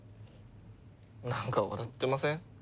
なんか笑ってません？